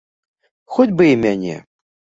Хоць бы і мяне.